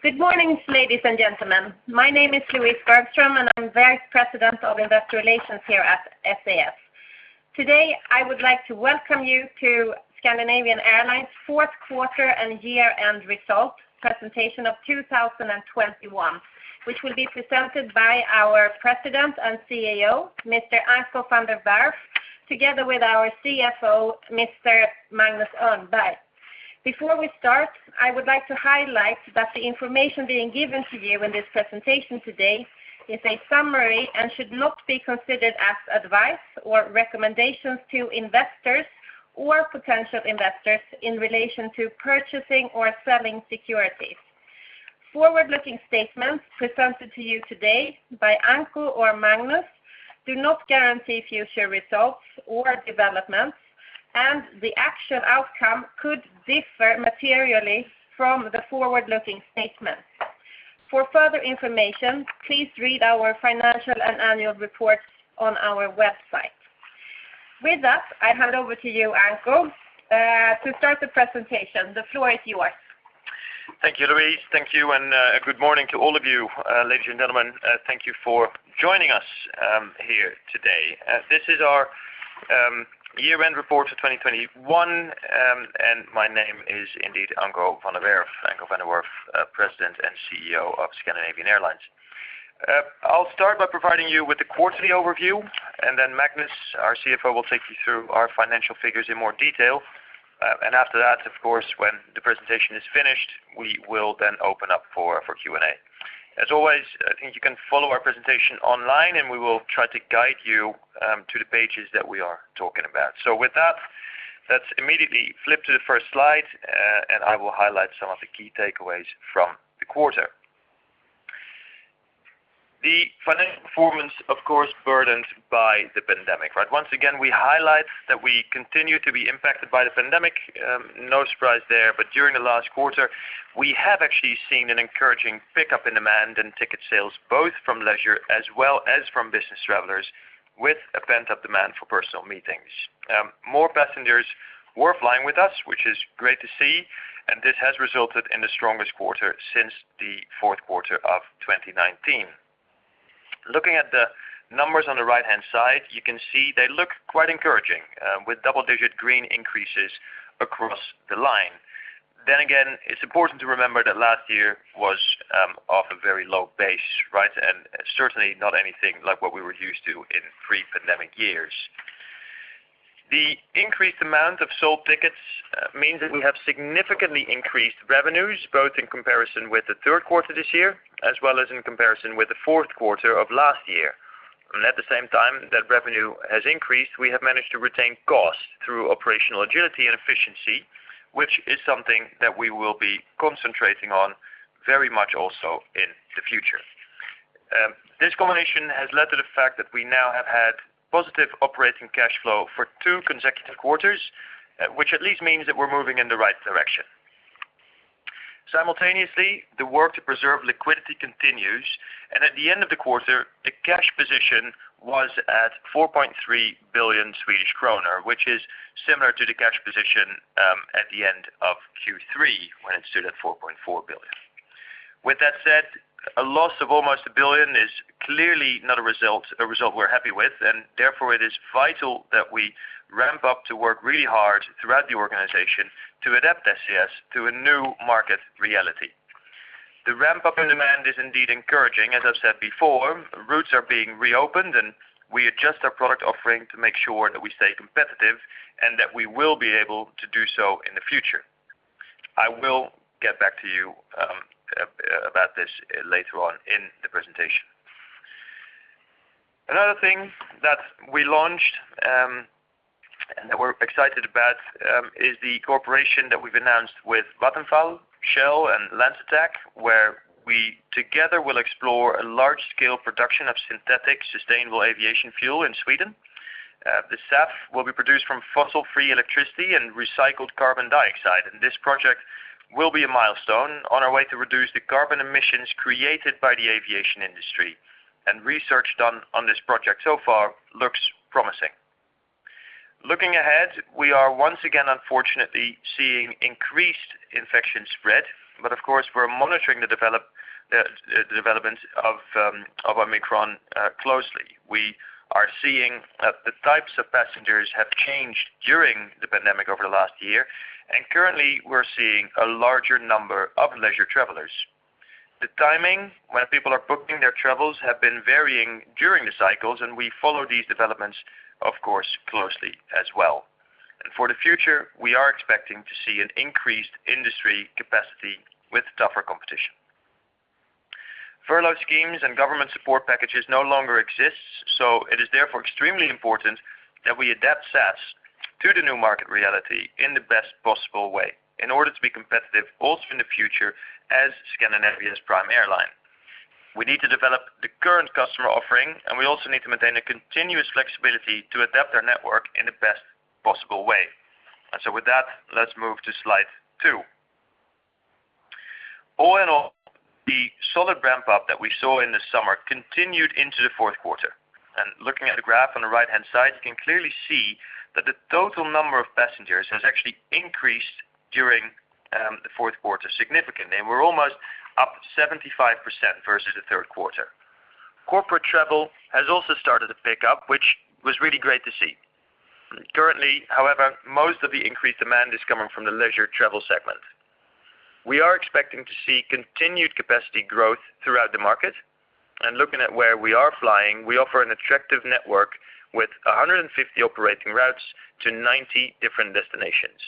Good morning, ladies and gentlemen. My name is Louise Bergström, and I'm Vice President of Investor Relations here at SAS. Today, I would like to welcome you to Scandinavian Airlines Q4 and year-end results presentation of 2021, which will be presented by our President and CEO, Mr. Anko van der Werff, together with our CFO, Mr. Magnus Örnberg. Before we start, I would like to highlight that the information being given to you in this presentation today is a summary and should not be considered as advice or recommendations to investors or potential investors in relation to purchasing or selling securities. Forward-looking statements presented to you today by Anko or Magnus do not guarantee future results or developments, and the actual outcome could differ materially from the forward-looking statements. For further information, please read our financial and annual reports on our website. With that, I hand over to you, Anko, to start the presentation. The floor is yours. Thank you, Louise. Thank you, and good morning to all of you, ladies and gentlemen. Thank you for joining us here today. This is our year-end report for 2021, and my name is indeed Anko van der Werff, President and CEO of Scandinavian Airlines. I'll start by providing you with the quarterly overview, and then Magnus, our CFO, will take you through our financial figures in more detail. After that, of course, when the presentation is finished, we will then open up for Q&A. As always, I think you can follow our presentation online, and we will try to guide you to the pages that we are talking about. With that, let's immediately flip to the first slide, and I will highlight some of the key takeaways from the quarter. The financial performance, of course, burdened by the pandemic, right? Once again, we highlight that we continue to be impacted by the pandemic, no surprise there. During the last quarter, we have actually seen an encouraging pickup in demand and ticket sales, both from leisure as well as from business travelers with a pent-up demand for personal meetings. More passengers were flying with us, which is great to see, and this has resulted in the strongest quarter since the Q4 of 2019. Looking at the numbers on the right-hand side, you can see they look quite encouraging, with double-digit green increases across the line. It's important to remember that last year was, off a very low base, right? Certainly not anything like what we were used to in pre-pandemic years. The increased amount of sold tickets means that we have significantly increased revenues, both in comparison with the Q3 this year, as well as in comparison with the Q4 of last year. At the same time that revenue has increased, we have managed to retain costs through operational agility and efficiency, which is something that we will be concentrating on very much also in the future. This combination has led to the fact that we now have had positive operating cash flow for two consecutive quarters, which at least means that we're moving in the right direction. Simultaneously, the work to preserve liquidity continues, and at the end of the quarter, the cash position was at 4.3 billion Swedish kronor, which is similar to the cash position at the end of Q3 when it stood at 4.4 billion. With that said, a loss of almost 1 billion is clearly not a result we're happy with, and therefore it is vital that we ramp up to work really hard throughout the organization to adapt SAS to a new market reality. The ramp-up in demand is indeed encouraging, as I said before. Routes are being reopened, and we adjust our product offering to make sure that we stay competitive and that we will be able to do so in the future. I will get back to you about this later on in the presentation. Another thing that we launched and that we're excited about is the cooperation that we've announced with Vattenfall, Shell, and LanzaTech, where we together will explore a large-scale production of synthetic sustainable aviation fuel in Sweden. The SAF will be produced from fossil-free electricity and recycled carbon dioxide. This project will be a milestone on our way to reduce the carbon emissions created by the aviation industry. Research done on this project so far looks promising. Looking ahead, we are once again, unfortunately, seeing increased infection spread, but of course, we're monitoring the development of Omicron closely. We are seeing that the types of passengers have changed during the pandemic over the last year, and currently, we're seeing a larger number of leisure travelers. The timing when people are booking their travels have been varying during the cycles, and we follow these developments, of course, closely as well. For the future, we are expecting to see an increased industry capacity with tougher competition. Furlough schemes and government support packages no longer exist, so it is therefore extremely important that we adapt SAS to the new market reality in the best possible way in order to be competitive also in the future as Scandinavia's prime airline. We need to develop the current customer offering, and we also need to maintain a continuous flexibility to adapt our network in the best possible way. With that, let's move to slide two. All in all, solid ramp up that we saw in the summer continued into the Q4. Looking at the graph on the right-hand side, you can clearly see that the total number of passengers has actually increased during the Q4 significantly. We're almost up 75% versus the Q3. Corporate travel has also started to pick up, which was really great to see. Currently, however, most of the increased demand is coming from the leisure travel segment. We are expecting to see continued capacity growth throughout the market. Looking at where we are flying, we offer an attractive network with 150 operating routes to 90 different destinations.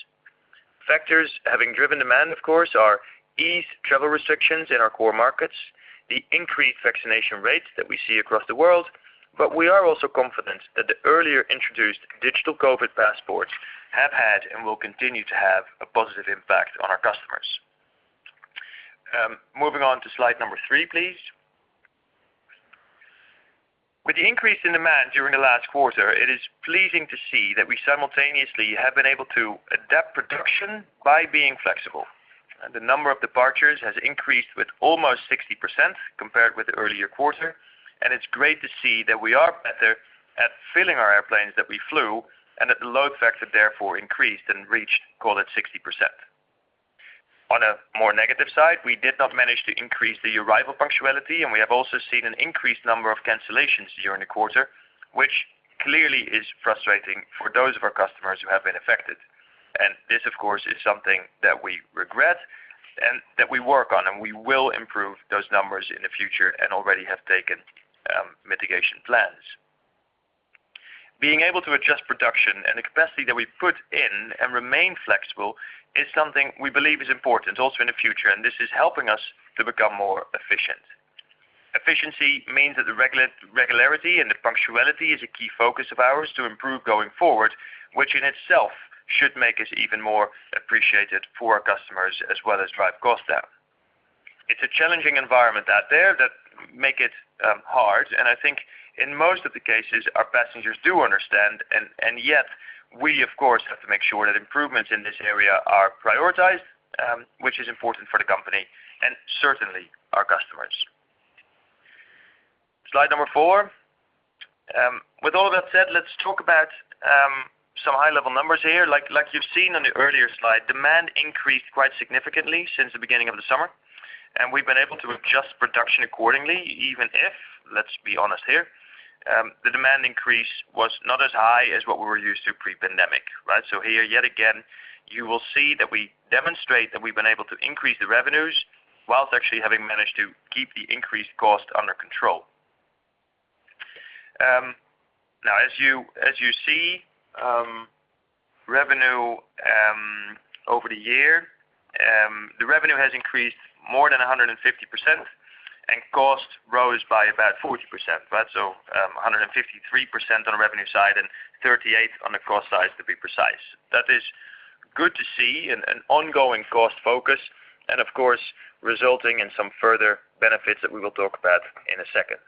Factors having driven demand, of course, are easing travel restrictions in our core markets, the increased vaccination rates that we see across the world, but we are also confident that the earlier introduced digital COVID passports have had and will continue to have a positive impact on our customers. Moving on to slide number three, please. With the increase in demand during the last quarter, it is pleasing to see that we simultaneously have been able to adapt production by being flexible. The number of departures has increased with almost 60% compared with the earlier quarter. It's great to see that we are better at filling our airplanes that we flew and that the load factor therefore increased and reached call it 60%. On a more negative side, we did not manage to increase the arrival punctuality, and we have also seen an increased number of cancellations during the quarter, which clearly is frustrating for those of our customers who have been affected. This, of course, is something that we regret and that we work on, and we will improve those numbers in the future and already have taken mitigation plans. Being able to adjust production and the capacity that we put in and remain flexible is something we believe is important also in the future, and this is helping us to become more efficient. Efficiency means that the regularity and the punctuality is a key focus of ours to improve going forward, which in itself should make us even more appreciated for our customers as well as drive costs down. It's a challenging environment out there that make it hard. I think in most of the cases our passengers do understand, and yet we of course have to make sure that improvements in this area are prioritized, which is important for the company and certainly our customers. Slide number four. With all that said, let's talk about some high-level numbers here. Like you've seen on the earlier slide, demand increased quite significantly since the beginning of the summer, and we've been able to adjust production accordingly, even if, let's be honest here, the demand increase was not as high as what we were used to pre-pandemic, right? Here yet again, you will see that we demonstrate that we've been able to increase the revenues while actually having managed to keep the increased cost under control. Now as you see, revenue over the year, the revenue has increased more than 150%, and cost rose by about 40%, right? 153% on the revenue side and 38% on the cost side, to be precise. That is good to see an ongoing cost focus and of course, resulting in some further benefits that we will talk about in a second.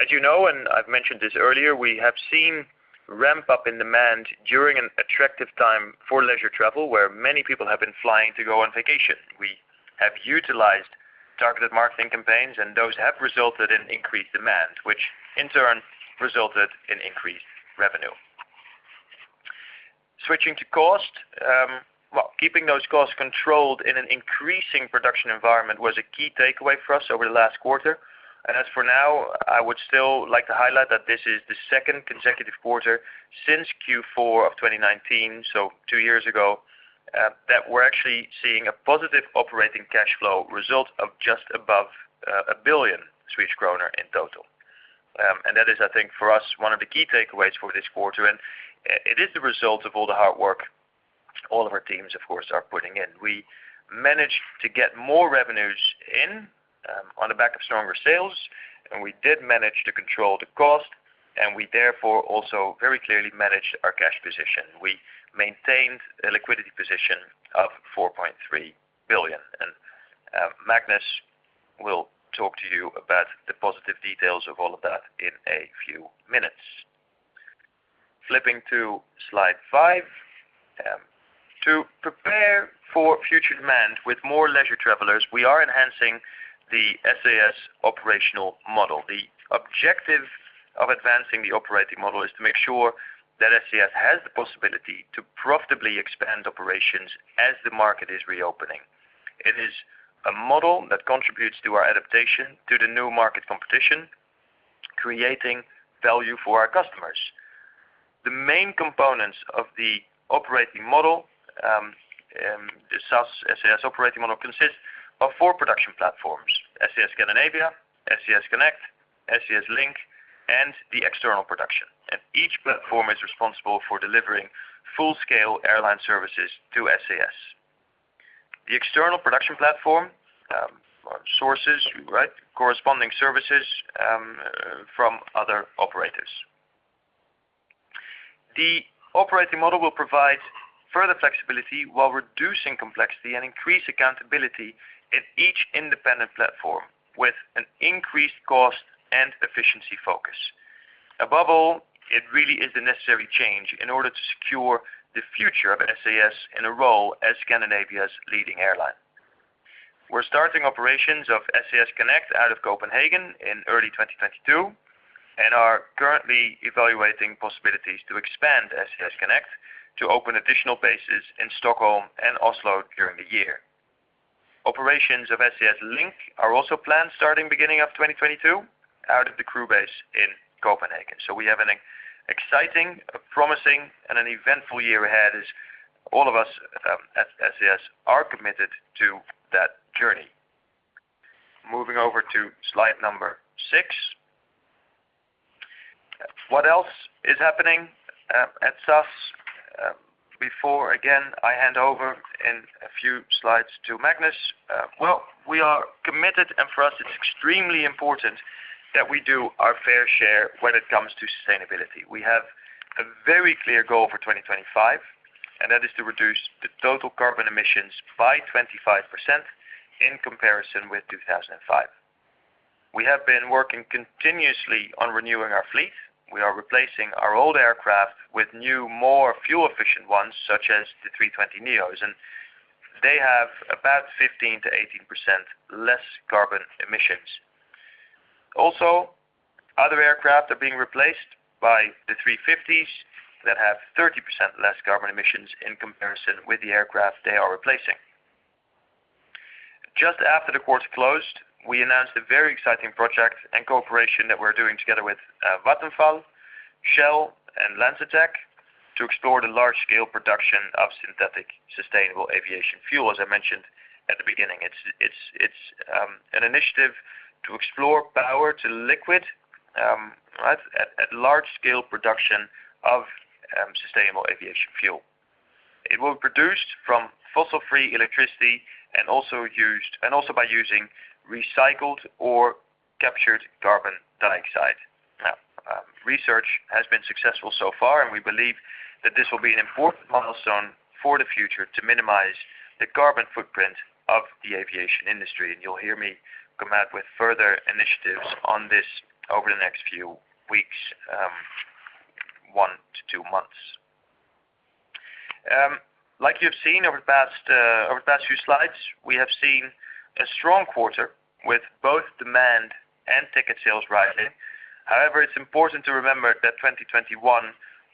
As you know, and I've mentioned this earlier, we have seen ramp up in demand during an attractive time for leisure travel, where many people have been flying to go on vacation. We have utilized targeted marketing campaigns, and those have resulted in increased demand, which in turn resulted in increased revenue. Switching to cost. Well, keeping those costs controlled in an increasing production environment was a key takeaway for us over the last quarter. I would still like to highlight that this is the second consecutive quarter since Q4 of 2019, so two years ago, that we're actually seeing a positive operating cash flow result of just above 1 billion Swedish kronor in total. That is, I think, for us, one of the key takeaways for this quarter. It is the result of all the hard work all of our teams, of course, are putting in. We managed to get more revenues in, on the back of stronger sales, and we did manage to control the cost, and we therefore also very clearly managed our cash position. We maintained a liquidity position of 4.3 billion. Magnus will talk to you about the positive details of all of that in a few minutes. Flipping to slide five. To prepare for future demand with more leisure travelers, we are enhancing the SAS operational model. The objective of advancing the operating model is to make sure that SAS has the possibility to profitably expand operations as the market is reopening. It is a model that contributes to our adaptation to the new market competition, creating value for our customers. The main components of the operating model, the SAS operating model consists of four production platforms, SAS Scandinavia, SAS Connect, SAS Link, and the external production. Each platform is responsible for delivering full-scale airline services to SAS. The external production platform sources corresponding services from other operators. The operating model will provide further flexibility while reducing complexity and increase accountability in each independent platform with an increased cost and efficiency focus. Above all, it really is the necessary change in order to secure the future of SAS in a role as Scandinavia's leading airline. We're starting operations of SAS Connect out of Copenhagen in early 2022, and are currently evaluating possibilities to expand SAS Connect to open additional bases in Stockholm and Oslo during the year. Operations of SAS Link are also planned starting beginning of 2022 out of the crew base in Copenhagen. We have an exciting, promising, and an eventful year ahead as all of us at SAS are committed to that journey. Moving over to slide number six. What else is happening at SAS? Before again, I hand over in a few slides to Magnus. Well, we are committed, and for us, it's extremely important that we do our fair share when it comes to sustainability. We have a very clear goal for 2025, and that is to reduce the total carbon emissions by 25% in comparison with 2005. We have been working continuously on renewing our fleet. We are replacing our old aircraft with new, more fuel-efficient ones such as the A320neos, and they have about 15%-18% less carbon emissions. Also, other aircraft are being replaced by the A350s that have 30% less carbon emissions in comparison with the aircraft they are replacing. Just after the quarter closed, we announced a very exciting project and cooperation that we're doing together with Vattenfall, Shell, and LanzaTech to explore the large-scale production of synthetic sustainable aviation fuel, as I mentioned at the beginning. It's an initiative to explore power to liquid at large scale production of sustainable aviation fuel. It will be produced from fossil-free electricity and also by using recycled or captured carbon dioxide. Research has been successful so far, and we believe that this will be an important milestone for the future to minimize the carbon footprint of the aviation industry. You'll hear me come out with further initiatives on this over the next few weeks, one to two months. Like you've seen over the past few slides, we have seen a strong quarter with both demand and ticket sales rising. However, it's important to remember that 2021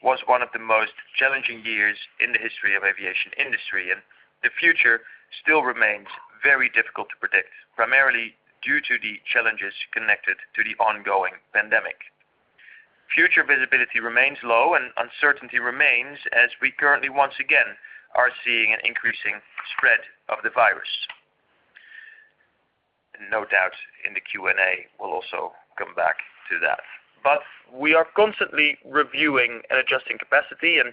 was one of the most challenging years in the history of aviation industry, and the future still remains very difficult to predict, primarily due to the challenges connected to the ongoing pandemic. Future visibility remains low and uncertainty remains as we currently once again are seeing an increasing spread of the virus. No doubt in the Q&A, we'll also come back to that. We are constantly reviewing and adjusting capacity and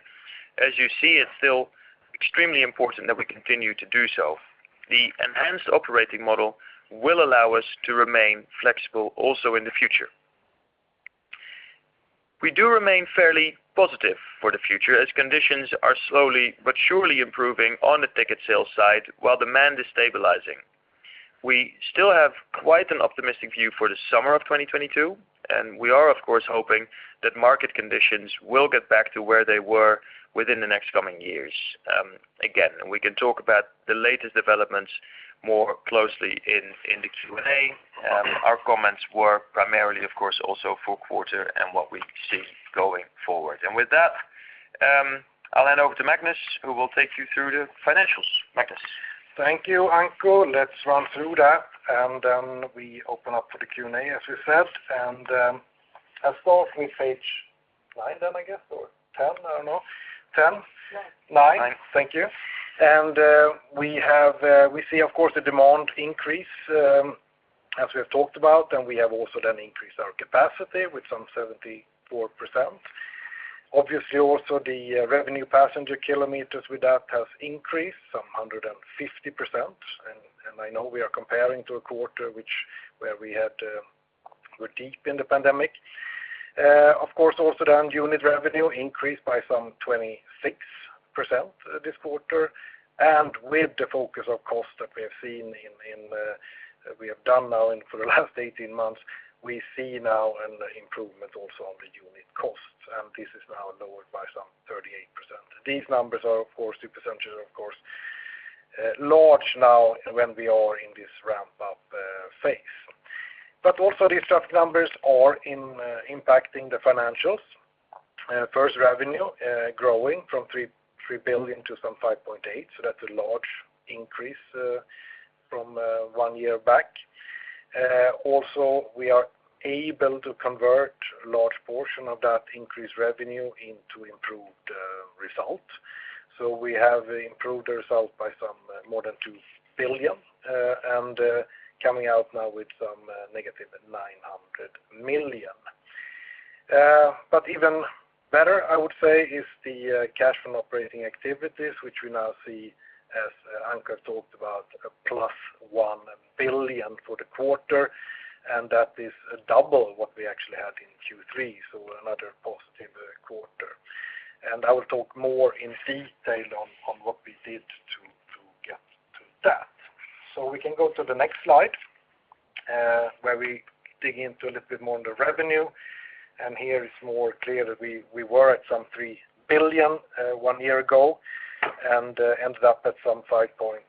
as you see, it's still extremely important that we continue to do so. The enhanced operating model will allow us to remain flexible also in the future. We do remain fairly positive for the future as conditions are slowly but surely improving on the ticket sales side while demand is stabilizing. We still have quite an optimistic view for the summer of 2022, and we are, of course, hoping that market conditions will get back to where they were within the next coming years. Again, we can talk about the latest developments more closely in the Q&A. Our comments were primarily, of course, also for quarter and what we see going forward. With that, I'll hand over to Magnus, who will take you through the financials. Magnus. Thank you, Anko. Let's run through that and then we open up for the Q&A, as you said. I'll start with page nine then, I guess, or 10, I don't know. 10? Nine. Nine. Thank you. We see, of course, the demand increase, as we have talked about, and we have also then increased our capacity with some 74%. Obviously, also the revenue passenger kilometers with that has increased some 150%. I know we are comparing to a quarter where we were deep in the pandemic. Of course, also then unit revenue increased by some 26% this quarter. With the focus of cost that we have seen in, we have done now and for the last 18 months, we see now an improvement also on the unit costs, and this is now lowered by some 38%. These numbers are of course, the percentages, of course, large now when we are in this ramp up phase. Also these tough numbers are impacting the financials. First revenue growing from 3 billion to some 5.8 billion, so that's a large increase from one year back. Also, we are able to convert a large portion of that increased revenue into improved result. We have improved the result by some more than 2 billion, and coming out now with some -900 million. Even better, I would say, is the cash from operating activities, which we now see, as Anko talked about, +1 billion for the quarter, and that is double what we actually had in Q3, so another positive quarter. I will talk more in detail on what we did to that. We can go to the next slide, where we dig into a little bit more on the revenue, and here it's more clear that we were at some 3 billion one year ago and ended up at some 5.8 billion.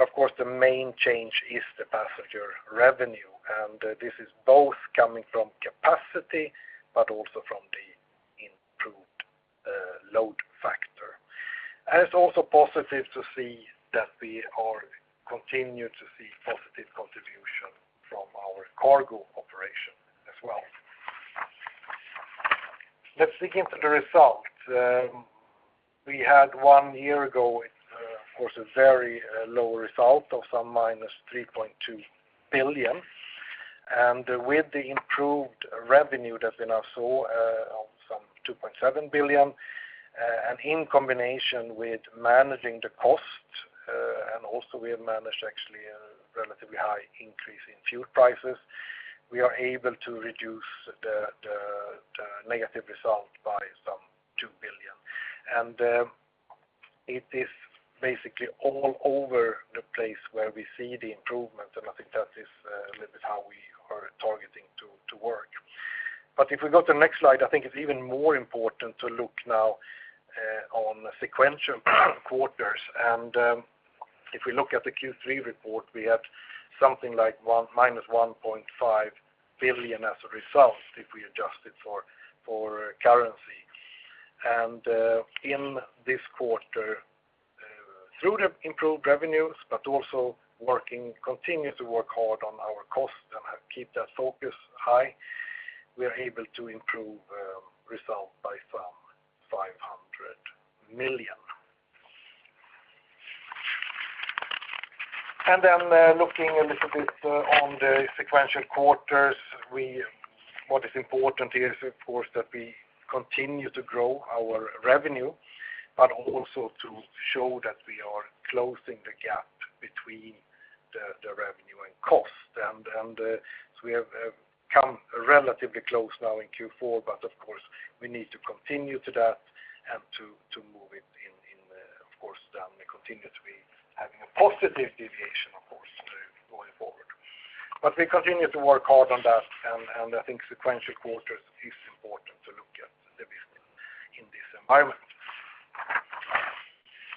Of course, the main change is the passenger revenue, and this is both coming from capacity, but also from the improved load factor. It's also positive to see that we continue to see positive contribution from our cargo operation as well. Let's dig into the results. We had one year ago, of course, a very low result of some -3.2 billion. With the improved revenue that we now saw of some 2.7 billion and in combination with managing the cost and also we have managed actually a relatively high increase in fuel prices, we are able to reduce the negative result by some 2 billion. It is basically all over the place where we see the improvements, and I think that is a little bit how we are targeting to work. If we go to the next slide, I think it's even more important to look now on sequential quarters. If we look at the Q3 report, we have something like -1.5 billion as a result if we adjust it for currency. In this quarter, through the improved revenues, but also continue to work hard on our cost and keep that focus high, we are able to improve results by 500 million. Then looking a little bit on the sequential quarters, what is important here is of course that we continue to grow our revenue, but also to show that we are closing the gap between the revenue and cost. We have come relatively close now in Q4, but of course, we need to continue to that and to move it in, of course, then continue to be having a positive deviation, of course, going forward. We continue to work hard on that, I think sequential quarters is important to look at the business in this environment.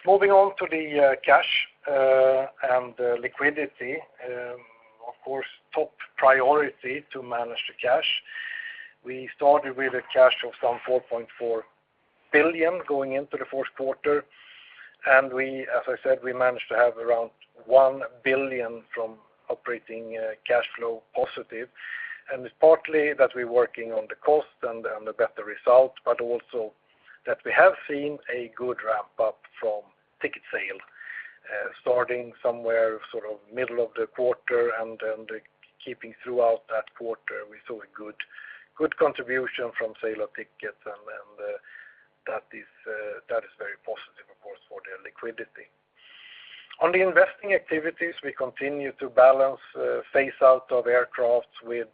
Moving on to the cash and liquidity, of course, top priority to manage the cash. We started with a cash of some 4.4 billion going into the Q4, and as I said, we managed to have around 1 billion from operating cash flow positive. It's partly that we're working on the cost and the better result, but also that we have seen a good ramp-up from ticket sale starting somewhere sort of middle of the quarter and then keeping throughout that quarter. We saw a good contribution from sale of tickets and that is very positive, of course, for the liquidity. On the investing activities, we continue to balance phase out of aircraft with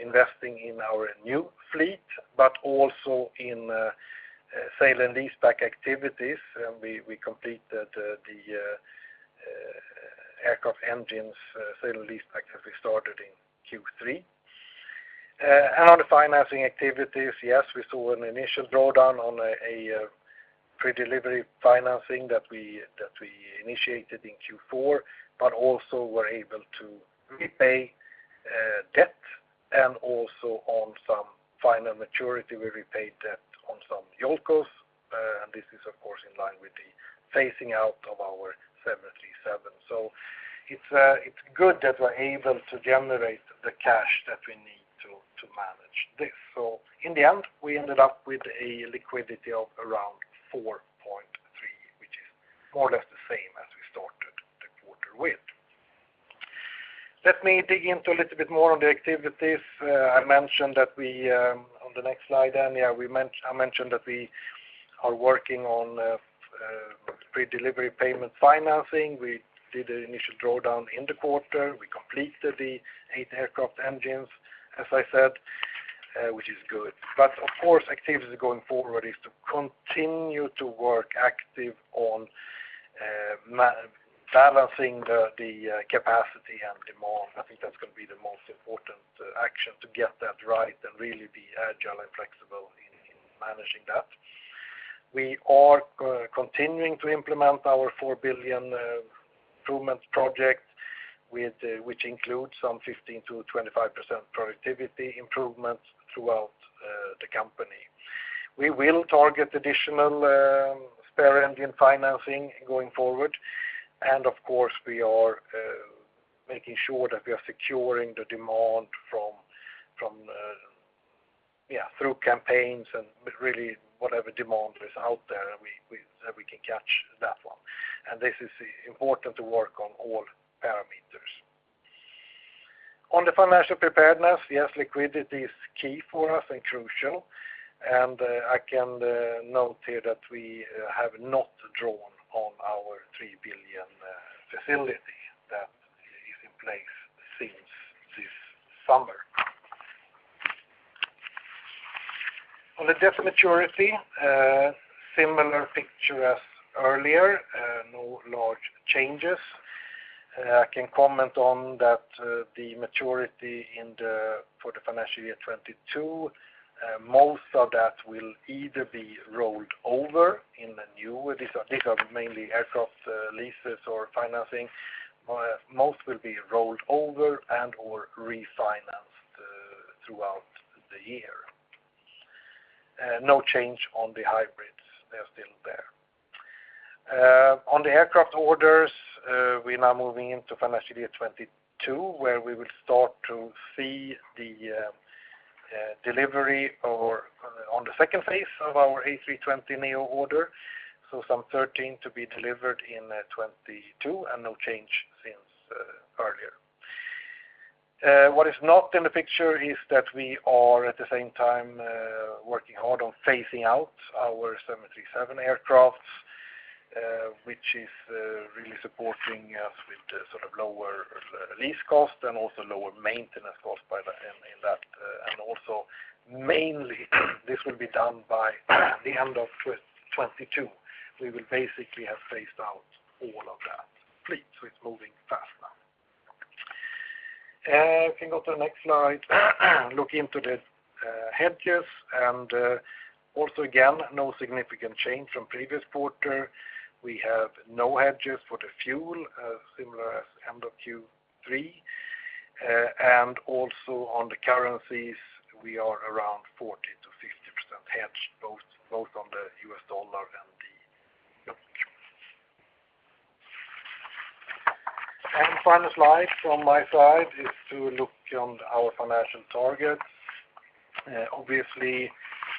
investing in our new fleet, but also in sale and leaseback activities. We completed the aircraft and engines sale and leaseback as we started in Q3. On the financing activities, yes, we saw an initial drawdown on a pre-delivery financing that we initiated in Q4, but also we're able to repay debt and also on some final maturity, we repaid debt on some JOLCOs, and this is of course in line with the phasing out of our 737. It's good that we're able to generate the cash that we need to manage this. In the end, we ended up with a liquidity of around 4.3 billion, which is more or less the same as we started the quarter with. Let me dig into a little bit more on the activities. I mentioned that we are working on pre-delivery payment financing on the next slide. We did an initial drawdown in the quarter. We completed the eight aircraft engines, as I said, which is good. Of course, activities going forward is to continue to work active on balancing the capacity and demand. I think that's gonna be the most important action to get that right and really be agile and flexible in managing that. We are continuing to implement our 4 billion improvements project with which includes some 15%-25% productivity improvements throughout the company. We will target additional spare engine financing going forward. Of course, we are making sure that we are securing the demand from through campaigns and really whatever demand is out there, we that we can catch that one. This is important to work on all parameters. On the financial preparedness, yes, liquidity is key for us and crucial. I can note here that we have not drawn on our 3 billion facility that is in place since this summer. On the debt maturity, similar picture as earlier, no large changes. I can comment on that, the maturity in for the financial year 2022, most of that will either be rolled over in the new. These are mainly aircraft leases or financing. Most will be rolled over and/or refinanced throughout the year. No change on the hybrids. They are still there. On the aircraft orders, we're now moving into financial year 2022, where we will start to see the delivery of the second phase of our A320neo order. Some 13 to be delivered in 2022 and no change since earlier. What is not in the picture is that we are at the same time working hard on phasing out our 737 aircraft, which is really supporting us with the sort of lower lease cost and also lower maintenance cost, and also mainly this will be done by the end of 2022. We will basically have phased out all of that fleet. It's moving fast now. You can go to the next slide. Look into the hedges, and also again, no significant change from previous quarter. We have no hedges for the fuel, similar as end of Q3. And also on the currencies, we are around 40%-50% hedged, both on the US dollar and the euro. Final slide from my side is to look on our financial targets. Obviously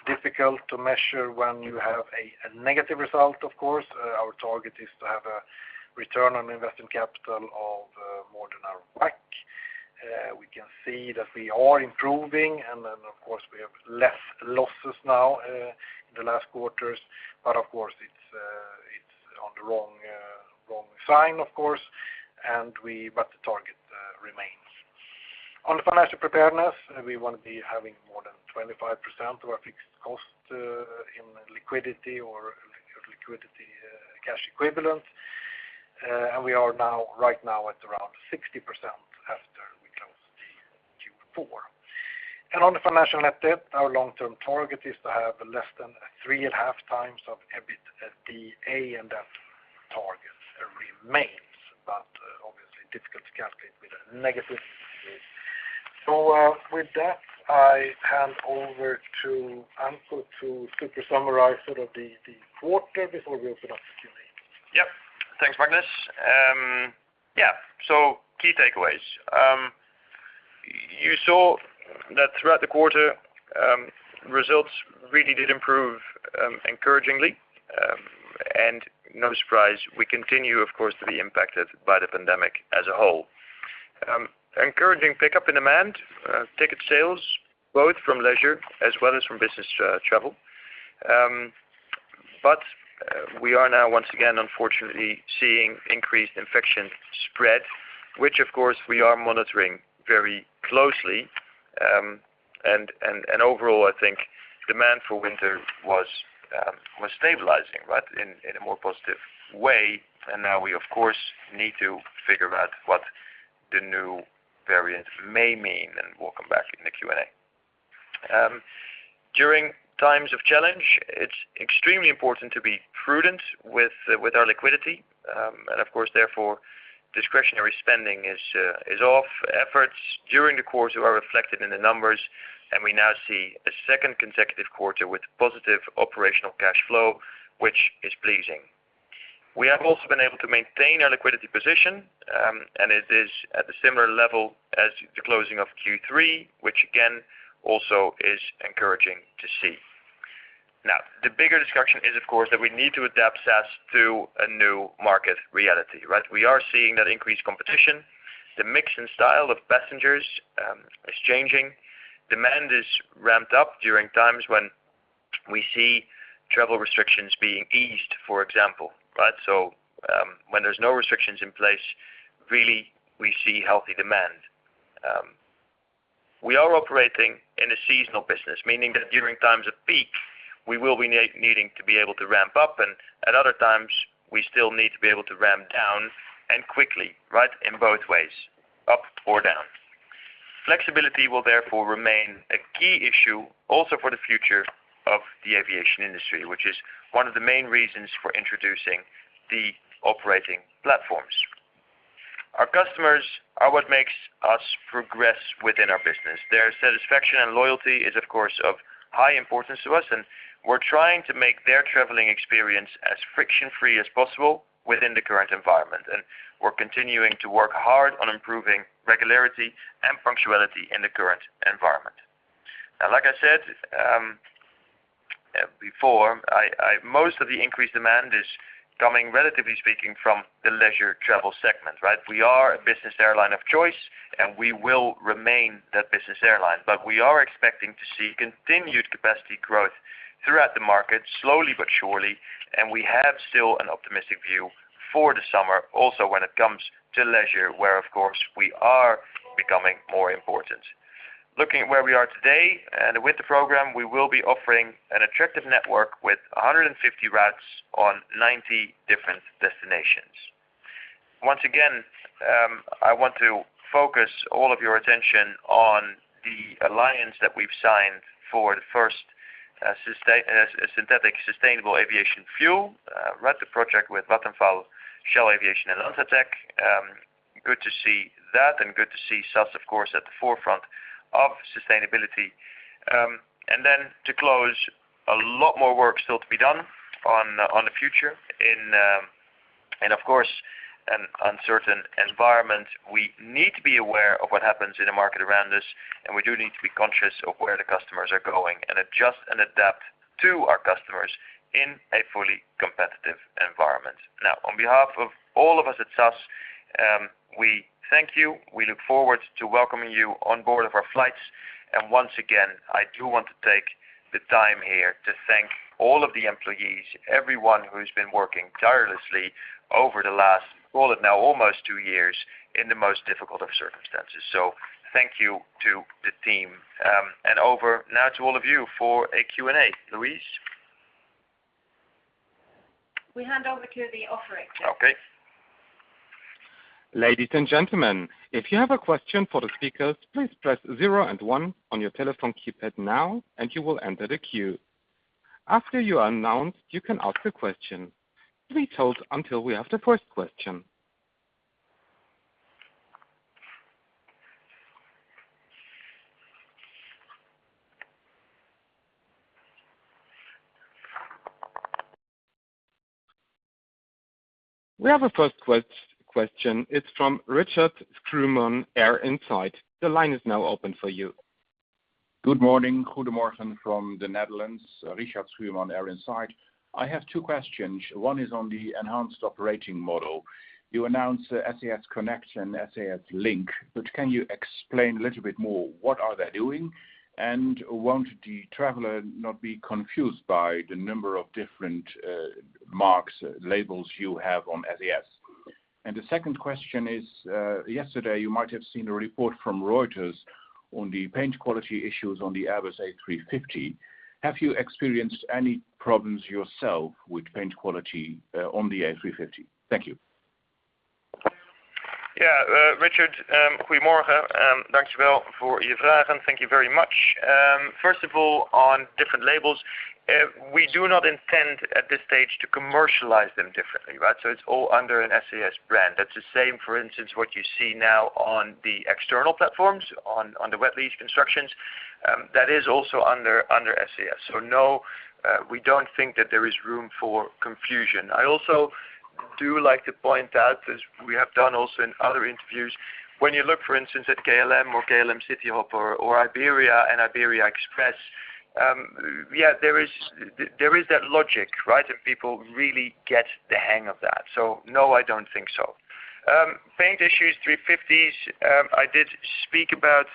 difficult to measure when you have a negative result of course. Our target is to have a return on investment capital of more than our WACC. We can see that we are improving, and then of course, we have less losses now, the last quarters. Of course, it's on the wrong sign, of course, and the target remains. On the financial preparedness, we wanna be having more than 25% of our fixed cost in liquidity or cash equivalent. We are now, right now at around 60% after we close the Q4. On the financial net debt, our long-term target is to have less than 3.5 times of EBITDA, and that target remains. Obviously difficult to calculate with a negative E. With that, I hand over to Anko van der Werff to super summarize sort of the quarter before we open up for Q&A. Yep. Thanks, Magnus. Key takeaways. You saw that throughout the quarter, results really did improve, encouragingly. No surprise, we continue of course to be impacted by the pandemic as a whole. Encouraging pickup in demand, ticket sales, both from leisure as well as from business travel. We are now once again, unfortunately, seeing increased infection spread, which of course we are monitoring very closely. Overall, I think demand for winter was stabilizing, right, in a more positive way. Now we of course need to figure out what the new variant may mean, and we'll come back in the Q&A. During times of challenge, it's extremely important to be prudent with our liquidity. Of course therefore, discretionary spending is off. Efforts during the quarter are reflected in the numbers, and we now see a second consecutive quarter with positive operational cash flow, which is pleasing. We have also been able to maintain our liquidity position, and it is at a similar level as the closing of Q3, which again also is encouraging to see. Now, the bigger discussion is of course that we need to adapt SAS to a new market reality, right? We are seeing that increased competition. The mix and style of passengers is changing. Demand is ramped up during times when we see travel restrictions being eased, for example, right? When there's no restrictions in place, really we see healthy demand. We are operating in a seasonal business, meaning that during times of peak, we will be needing to be able to ramp up, and at other times, we still need to be able to ramp down quickly, right, in both ways, up or down. Flexibility will therefore remain a key issue also for the future of the aviation industry, which is one of the main reasons for introducing the operating platforms. Our customers are what makes us progress within our business. Their satisfaction and loyalty is of course of high importance to us, and we're trying to make their traveling experience as friction-free as possible within the current environment. We're continuing to work hard on improving regularity and punctuality in the current environment. Now like I said, before, most of the increased demand is coming, relatively speaking, from the leisure travel segment, right? We are a business airline of choice, and we will remain that business airline. We are expecting to see continued capacity growth throughout the market, slowly but surely, and we have still an optimistic view for the summer also when it comes to leisure, where of course we are becoming more important. Looking at where we are today and with the program, we will be offering an attractive network with 150 routes on 90 different destinations. Once again, I want to focus all of your attention on the alliance that we've signed for the first synthetic sustainable aviation fuel SAF project with Vattenfall, Shell, and LanzaTech. Good to see that and good to see SAS of course at the forefront of sustainability. To close, a lot more work still to be done on the future, and of course, an uncertain environment. We need to be aware of what happens in the market around us, and we do need to be conscious of where the customers are going and adjust and adapt to our customers in a fully competitive environment. Now, on behalf of all of us at SAS, we thank you. We look forward to welcoming you on board of our flights. Once again, I do want to take the time here to thank all of the employees, everyone who's been working tirelessly over the last, call it now, almost two years in the most difficult of circumstances. Thank you to the team. Over now to all of you for a Q&A. Louise? We hand over to the operator. Okay. Ladies and gentlemen, if you have a question for the speakers, please press zero and one on your telephone keypad now, and you will enter the queue. After you are announced, you can ask the question. Please hold until we have the first question. We have a first question. It's from Richard Schuurman, AirInsight. The line is now open for you. Good morning. Good morning from the Netherlands. Richard Schuurman, AirInsight. I have two questions. One is on the enhanced operating model. You announced SAS Connect, SAS Link. But can you explain a little bit more what are they doing? And won't the traveler not be confused by the number of different, marks, labels you have on SAS? And the second question is, yesterday, you might have seen a report from Reuters on the paint quality issues on the Airbus A350. Have you experienced any problems yourself with paint quality, on the A350? Thank you. Yeah. Richard, [goede morgen. Dank je wel] for your [vragen]. Thank you very much. First of all, on different labels, we do not intend at this stage to commercialize them differently, right? It's all under an SAS brand. That's the same, for instance, what you see now on the external platforms on the wet lease constructions. That is also under SAS. No, we don't think that there is room for confusion. I also do like to point out, as we have done also in other interviews, when you look, for instance, at KLM or KLM Cityhopper or Iberia and Iberia Express, yeah, there is that logic, right? People really get the hang of that. No, I don't think so. Paint issues, A350s, I did speak about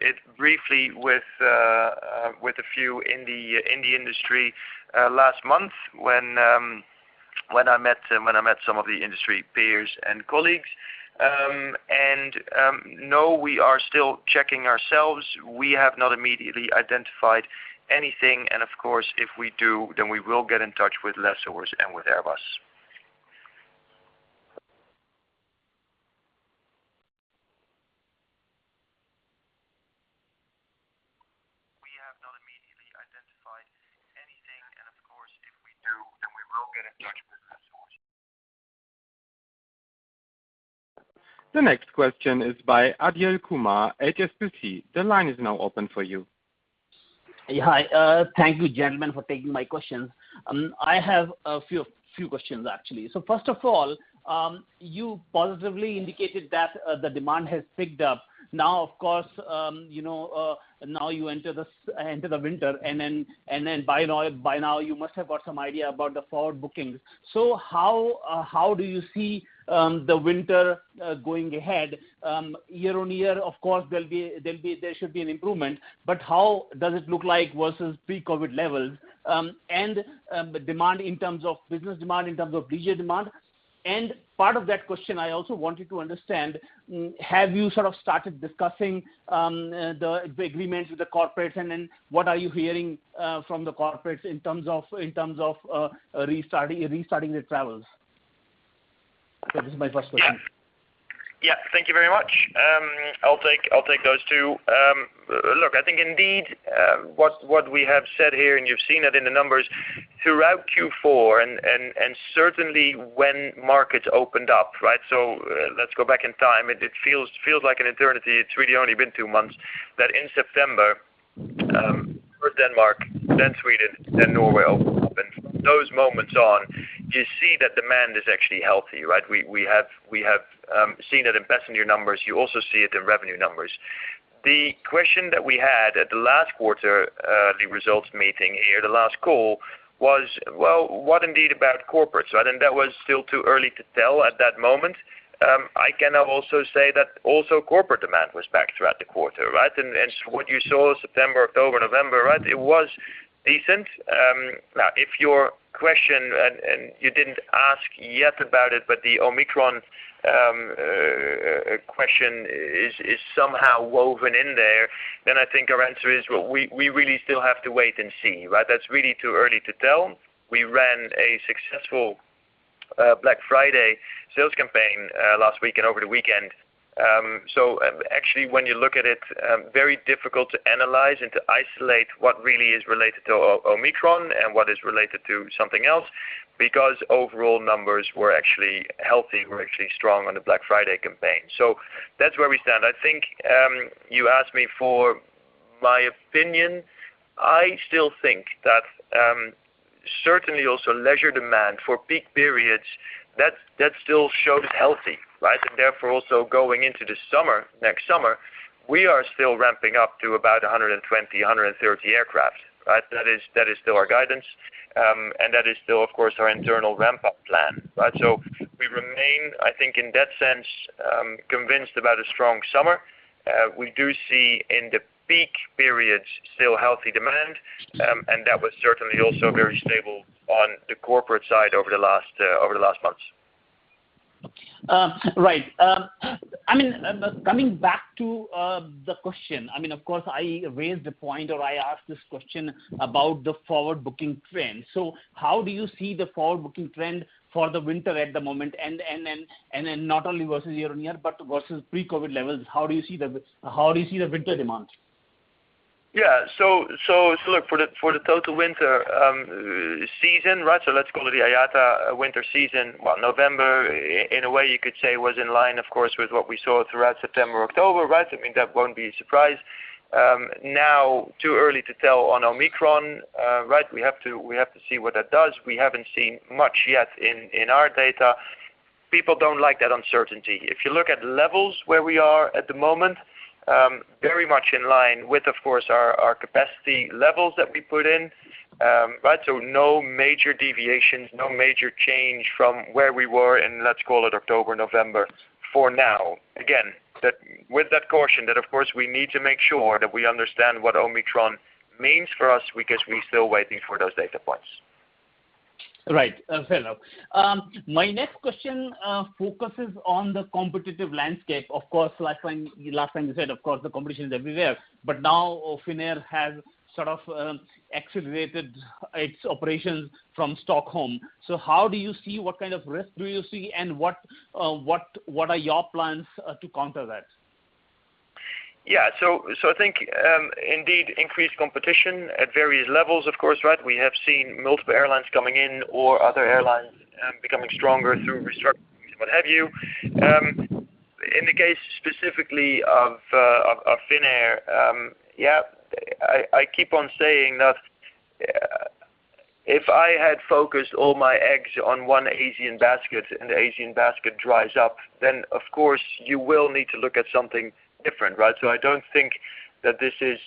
it briefly with a few in the industry last month when I met some of the industry peers and colleagues. We are still checking ourselves. We have not immediately identified anything. Of course, if we do, then we will get in touch with lessors and with Airbus. The next question is by Adiel Kumar, HSBC. The line is now open for you. Yeah. Hi. Thank you, gentlemen, for taking my questions. I have a few questions, actually. First of all, you positively indicated that the demand has picked up. Now, of course, you know, now you enter the winter, and then by now, you must have got some idea about the forward bookings. How do you see the winter going ahead? Year on year, of course, there should be an improvement, but how does it look like versus pre-COVID levels, and demand in terms of business demand, in terms of leisure demand? Part of that question, I also wanted to understand, have you sort of started discussing the agreements with the corporate? What are you hearing from the corporates in terms of restarting their travels? That is my first question. Yeah. Yeah. Thank you very much. I'll take those two. Look, I think indeed, what we have said here, and you've seen it in the numbers throughout Q4 and certainly when markets opened up, right? Let's go back in time. It feels like an eternity. It's really only been two months that in September, first Denmark, then Sweden, then Norway opened. From those moments on, you see that demand is actually healthy, right? We have seen it in passenger numbers. You also see it in revenue numbers. The question that we had at the last quarter, the results meeting here, the last call, was, well, what indeed about corporate? I think that was still too early to tell at that moment. I can now also say that also corporate demand was back throughout the quarter, right? What you saw September, October, November, right, it was decent. Now if your question and you didn't ask yet about it, but the Omicron question is somehow woven in there, then I think our answer is, well, we really still have to wait and see, right? That's really too early to tell. We ran a successful Black Friday sales campaign last week and over the weekend. Actually, when you look at it, very difficult to analyze and to isolate what really is related to Omicron and what is related to something else because overall numbers were actually healthy, were actually strong on the Black Friday campaign. That's where we stand. I think you asked me for my opinion. I still think that certainly also leisure demand for peak periods that still shows healthy, right? Therefore also going into the summer, next summer, we are still ramping up to about 120-130 aircraft, right? That is still our guidance. That is still, of course, our internal ramp-up plan, right? We remain, I think, in that sense, convinced about a strong summer. We do see in the peak periods still healthy demand, and that was certainly also very stable on the corporate side over the last months. Right. I mean, coming back to the question, I mean, of course, I raised the point or I asked this question about the forward-booking trend. How do you see the forward-booking trend for the winter at the moment, and then not only versus year-on-year but versus pre-COVID levels, how do you see the winter demand? Look, for the total winter season, right? Let's call it the IATA winter season. November in a way you could say was in line, of course, with what we saw throughout September, October, right? I mean, that won't be a surprise. Now too early to tell on Omicron, right? We have to see what that does. We haven't seen much yet in our data. People don't like that uncertainty. If you look at levels where we are at the moment, very much in line with, of course, our capacity levels that we put in. No major deviations, no major change from where we were in, let's call it October, November for now. Again, with that caution that, of course, we need to make sure that we understand what Omicron means for us because we're still waiting for those data points. Right. Fair enough. My next question focuses on the competitive landscape. Of course, last time you said, of course, the competition is everywhere. Now Finnair has sort of accelerated its operations from Stockholm. How do you see what kind of risk do you see, and what are your plans to counter that? Yeah. I think indeed increased competition at various levels, of course, right? We have seen multiple airlines coming in or other airlines becoming stronger through restructuring, what have you. In the case specifically of Finnair, yeah, I keep on saying that if I had focused all my eggs on one Asian basket and the Asian basket dries up, then of course, you will need to look at something different, right? I don't think that this is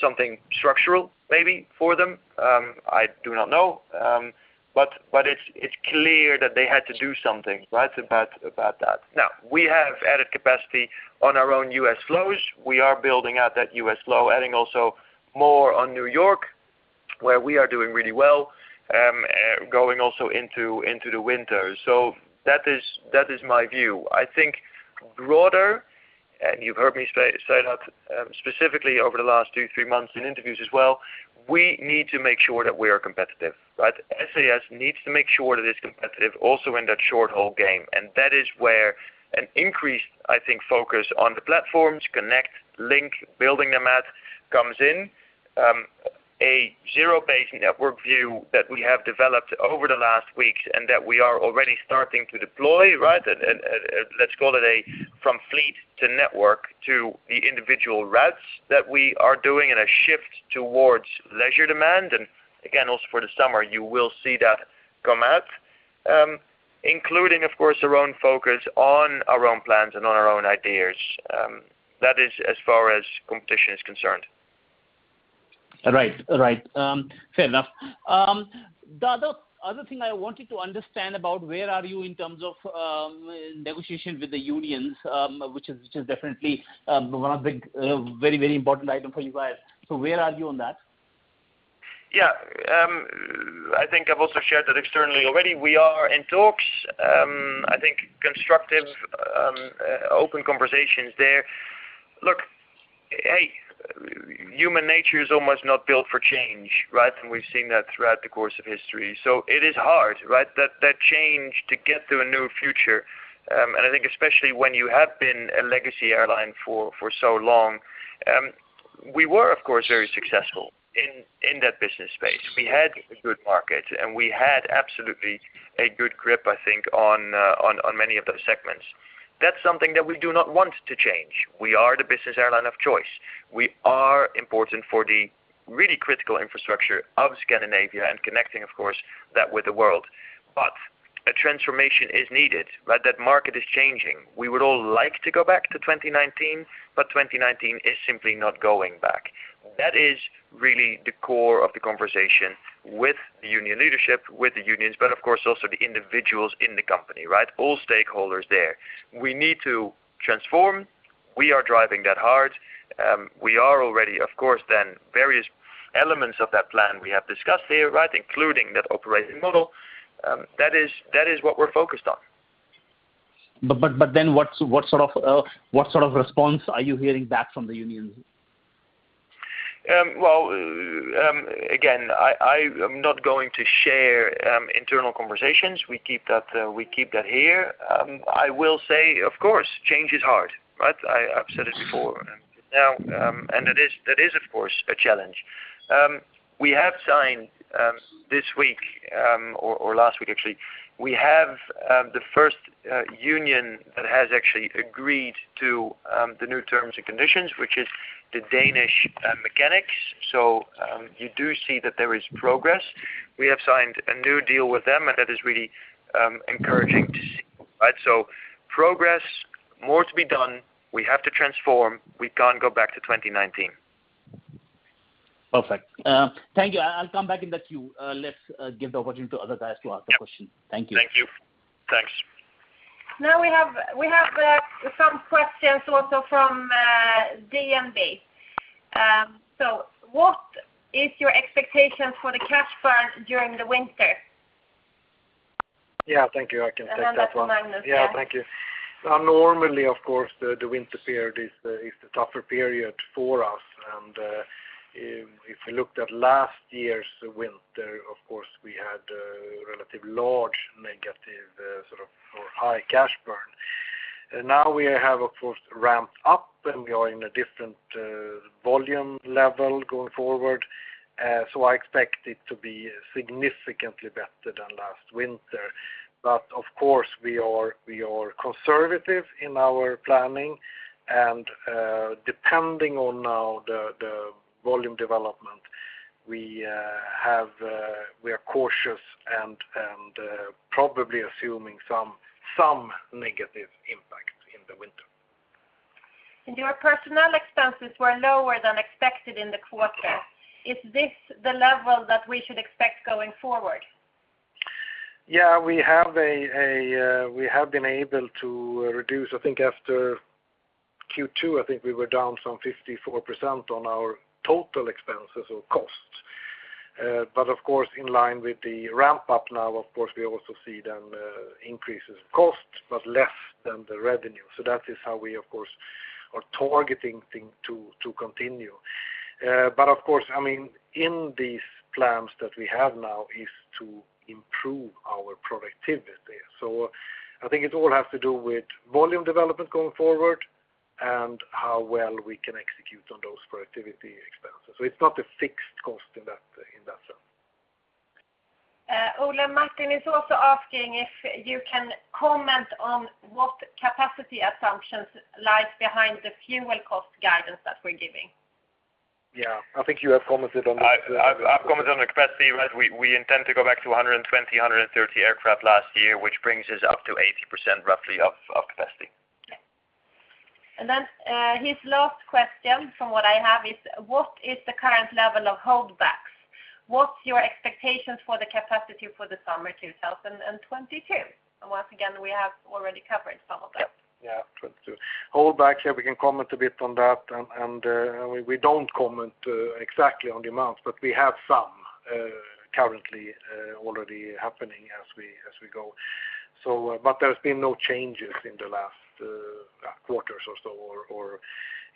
something structural maybe for them. I do not know. It's clear that they had to do something, right, about that. Now, we have added capacity on our own U.S. flows. We are building out that U.S. flow, adding also more on New York, where we are doing really well, going also into the winter. That is my view. I think broader, and you've heard me say that specifically over the last two, three months in interviews as well, we need to make sure that we are competitive, right? SAS needs to make sure that it's competitive also in that short-haul game. That is where an increased, I think, focus on the platforms, Connect, Link, building them out comes in. A zero-based network view that we have developed over the last weeks and that we are already starting to deploy, right? Let's call it a from fleet to network to the individual routes that we are doing and a shift towards leisure demand. Again, also for the summer, you will see that come out, including of course, our own focus on our own plans and on our own ideas. That is as far as competition is concerned. Right. Fair enough. The other thing I wanted to understand about where are you in terms of negotiation with the unions, which is definitely one of the very important item for you guys. Where are you on that? Yeah. I think I've also shared that externally already. We are in talks. I think constructive, open conversations there. Look, hey, human nature is almost not built for change, right? We've seen that throughout the course of history. It is hard, right? That change to get to a new future. I think especially when you have been a legacy airline for so long, we were of course, very successful in that business space. We had a good market, and we had absolutely a good grip, I think, on many of those segments. That's something that we do not want to change. We are the business airline of choice. We are important for the really critical infrastructure of Scandinavia and connecting, of course, that with the world. A transformation is needed, right? That market is changing. We would all like to go back to 2019, but 2019 is simply not going back. That is really the core of the conversation with the union leadership, with the unions, but of course also the individuals in the company, right? All stakeholders there. We need to transform. We are driving that hard. We are already of course then various elements of that plan we have discussed here, right? Including that operating model, that is what we're focused on. What sort of response are you hearing back from the unions? Well, again, I am not going to share internal conversations. We keep that here. I will say, of course, change is hard, right? I've said it before and now, and it is, that is, of course a challenge. We have signed this week, or last week actually. We have the first union that has actually agreed to the new terms and conditions, which is the Danish mechanics. You do see that there is progress. We have signed a new deal with them, and that is really encouraging to see, right? Progress, more to be done. We have to transform. We can't go back to 2019. Perfect. Thank you. I'll come back in the queue. Let's give the opportunity to other guys to ask a question. Yeah. Thank you. Thank you. Thanks. Now we have some questions also from DNB. What is your expectations for the cash burn during the winter? Yeah, thank you. I can take that one. That's Magnus Örnberg, yeah. Yeah. Thank you. Normally of course, the winter period is the tougher period for us. If we looked at last year's winter, of course, we had relatively large negative sort of or high cash burn. Now we have of course ramped up and we are in a different volume level going forward. I expect it to be significantly better than last winter. Of course, we are conservative in our planning and depending on the volume development we are cautious and probably assuming some negative impact in the winter. Your personnel expenses were lower than expected in the quarter. Is this the level that we should expect going forward? Yeah. We have been able to reduce. I think after Q2 we were down some 54% on our total expenses or costs. Of course in line with the ramp up now, of course, we also see then increases in costs, but less than the revenue. That is how we of course are targeting thing to continue. Of course, I mean, in these plans that we have now is to improve our productivity. I think it all has to do with volume development going forward and how well we can execute on those productivity expenses. It's not a fixed cost in that sense. Ola Martin is also asking if you can comment on what capacity assumptions lies behind the fuel cost guidance that we're giving. Yeah. I think you have commented on that. I've commented on the capacity, right? We intend to go back to 120-130 aircraft last year, which brings us up to 80% roughly of capacity. Okay. His last question from what I have is, what is the current level of holdbacks? What's your expectations for the capacity for the summer 2022? Once again, we have already covered some of that. Yeah. 2022 hold back. Yeah, we can comment a bit on that. We don't comment exactly on the amounts, but we have some currently already happening as we go. There's been no changes in the last quarters or so, or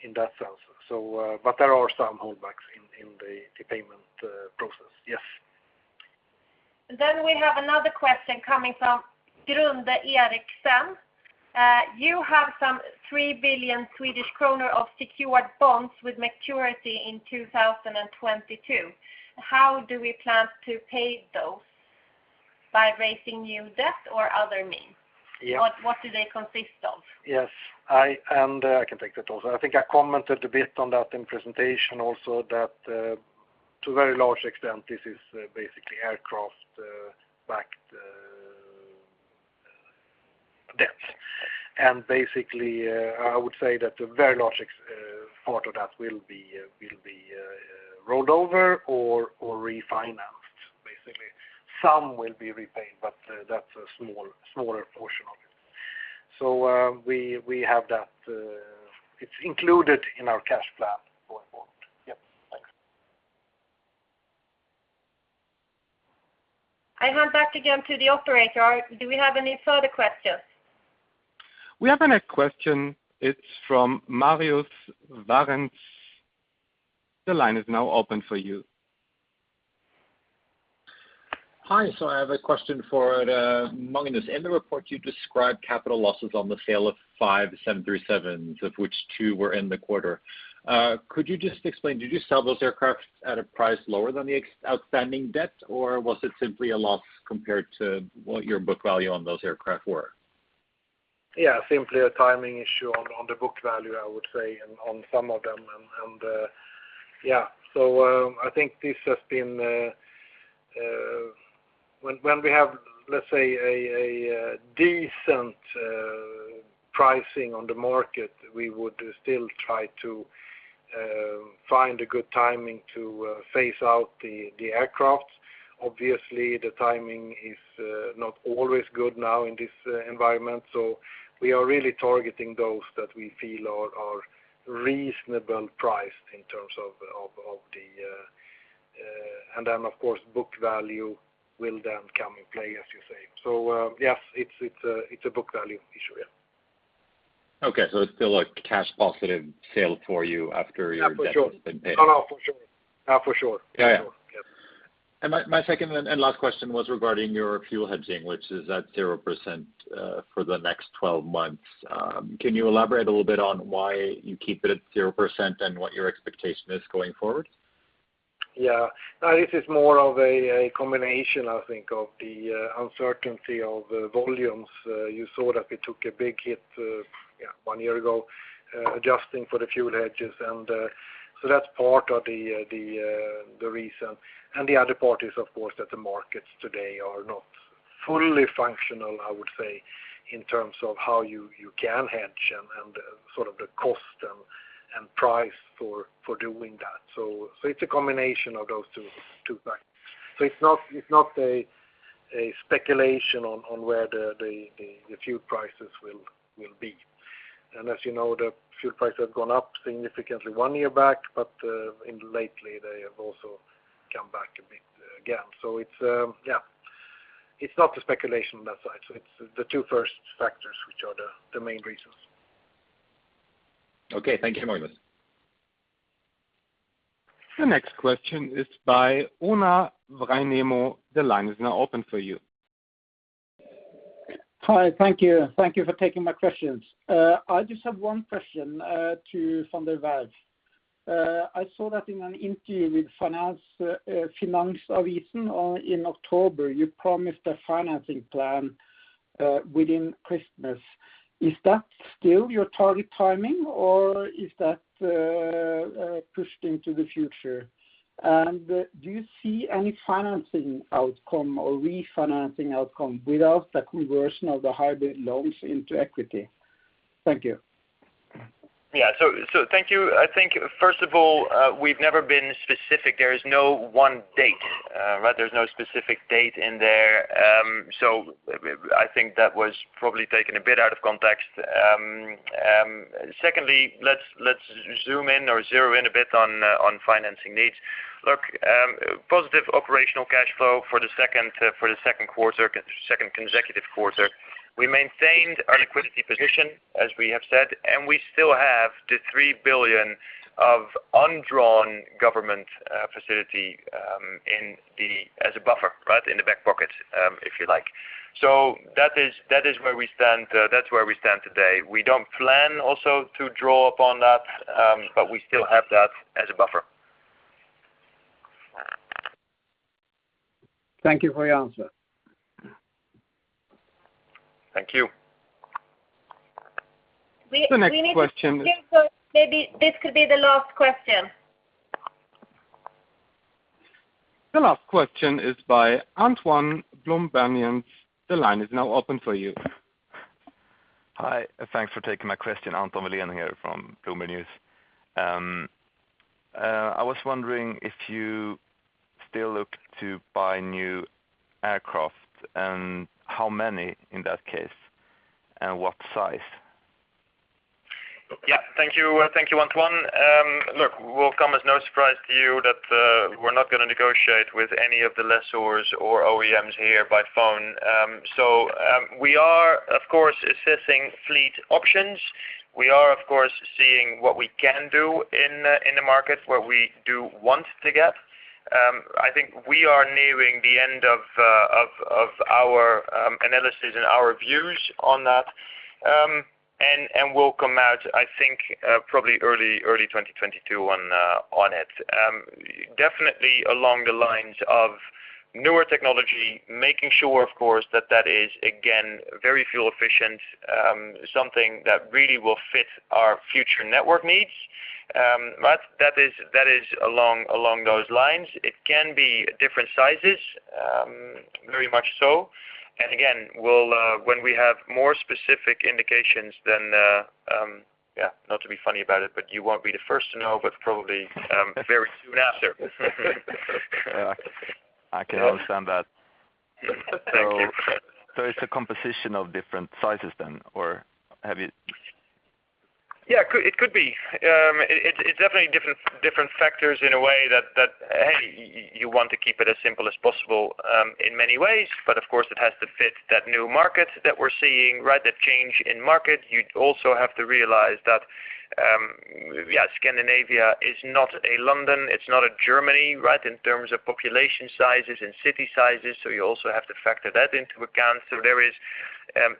in that sense. There are some holdbacks in the payment process. Yes. We have another question coming from Grunde Eriksen. You have 3 billion Swedish kronor of secured bonds with maturity in 2022. How do we plan to pay those? By raising new debt or other means? Yeah. What do they consist of? Yes. I can take that also. I think I commented a bit on that in presentation also, that to a very large extent this is basically aircraft backed debt. Basically I would say that a very large part of that will be rolled over or refinanced basically. Some will be repaid, but that's a smaller portion of it. We have that. It's included in our cash plan going forward. Yep. Thanks. I hand back again to the operator. Do we have any further questions? We have a next question. It's from Marius Warents. The line is now open for you. Hi. I have a question for Magnus Örnberg. In the report you describe capital losses on the sale of five 737, of which two were in the quarter. Could you just explain, did you sell those aircraft at a price lower than the outstanding debt, or was it simply a loss compared to what your book value on those aircraft were? Yeah, simply a timing issue on the book value, I would say on some of them. Yeah. I think this has been when we have, let's say, a decent pricing on the market. We would still try to find a good timing to phase out the aircraft. Obviously, the timing is not always good now in this environment, so we are really targeting those that we feel are reasonably priced in terms of the. Of course, book value will then come into play, as you say. Yes, it's a book value issue, yeah. Okay. It's still a cash positive sale for you after your debt has been paid? Yeah, for sure. Oh, no, for sure. Yeah. For sure. Yep. My second and last question was regarding your fuel hedging, which is at 0% for the next twelve months. Can you elaborate a little bit on why you keep it at 0% and what your expectation is going forward? Yeah. No, this is more of a combination, I think, of the uncertainty of volumes. You saw that we took a big hit one year ago, adjusting for the fuel hedges, so that's part of the reason. The other part is, of course, that the markets today are not fully functional, I would say, in terms of how you can hedge and sort of the cost and price for doing that. It's a combination of those two factors. It's not a speculation on where the fuel prices will be. As you know, the fuel prices have gone up significantly one year back, but lately, they have also come back a bit again. It's not the speculation on that side. It's the two first factors which are the main reasons. Okay. Thank you very much. The next question is by Ona Vrinemo. The line is now open for you. Hi. Thank you. Thank you for taking my questions. I just have one question to van der Werff. I saw that in an interview with Finansavisen in October, you promised a financing plan within Christmas. Is that still your target timing, or is that pushed into the future? Do you see any financing outcome or refinancing outcome without the conversion of the hybrid loans into equity? Thank you. Thank you. I think, first of all, we've never been specific. There is no one date, right? There's no specific date in there. Secondly, let's zoom in or zero in a bit on financing needs. Look, positive operational cash flow for the Q2, second consecutive quarter. We maintained our liquidity position, as we have said, and we still have the 3 billion of undrawn government facility as a buffer, right? In the back pocket, if you like. That is where we stand. That's where we stand today. We don't plan also to draw upon that, but we still have that as a buffer. Thank you for your answer. Thank you. The next question is. We need to think of maybe this could be the last question. The last question is by Antoine Blomberg-Niens. The line is now open for you. Hi, thanks for taking my question. Antoine Blomberg-Niens here from Bloomberg News. I was wondering if you still look to buy new aircraft, and how many in that case, and what size? Yeah. Thank you. Thank you, Antoine. Look, it will come as no surprise to you that we're not gonna negotiate with any of the lessors or OEMs here by phone. We are, of course, assessing fleet options. We are, of course, seeing what we can do in the market, where we do want to get. I think we are nearing the end of our analysis and our views on that. We'll come out, I think, probably early 2022 on it. Definitely along the lines of newer technology, making sure, of course, that that is again very fuel efficient, something that really will fit our future network needs. That is along those lines. It can be different sizes, very much so. Again, we'll, when we have more specific indications then, yeah, not to be funny about it, but you won't be the first to know, but probably very soon after. I can understand that. Thank you. It's a composition of different sizes then, or have you- Yeah, it could be. It's definitely different factors in a way that you want to keep it as simple as possible, in many ways. Of course, it has to fit that new market that we're seeing, right? That change in market. You also have to realize that Scandinavia is not a London, it's not a Germany, right? In terms of population sizes and city sizes, so you also have to factor that into account. There is,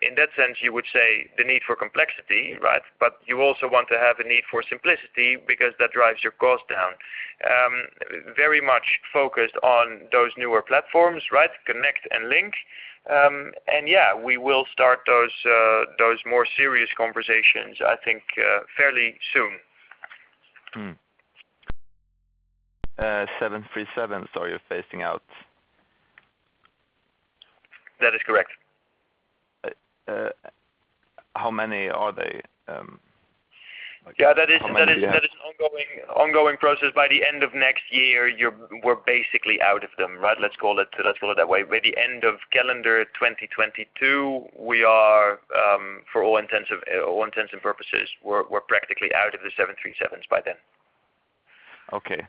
in that sense, you would say the need for complexity, right? You also want to have a need for simplicity because that drives your cost down. Very much focused on those newer platforms, right? Connect and Link. We will start those more serious conversations, I think, fairly soon. 737, so you're phasing out? That is correct. How many are they, how many do you have? Yeah, that is an ongoing process. By the end of next year, we're basically out of them, right? Let's call it that way. By the end of calendar 2022, we are for all intents and purposes, we're practically out of the 737 by then. Okay.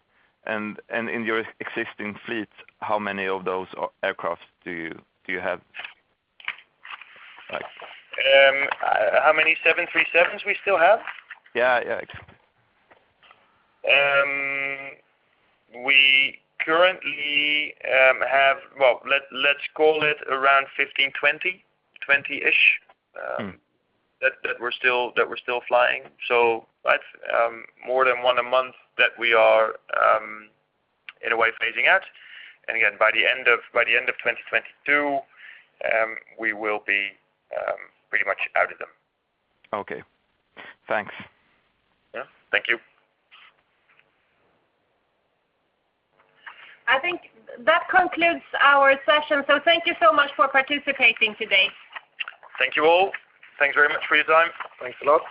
In your existing fleet, how many of those aircraft do you have? How many 737 we still have? Yeah, yeah, exactly. Well, let's call it around 15, 20-ish. Mm. that we're still flying. That's more than one a month that we are in a way phasing out. Again, by the end of 2022, we will be pretty much out of them. Okay. Thanks. Yeah. Thank you. I think that concludes our session. Thank you so much for participating today. Thank you all. Thanks very much for your time. Thanks a lot.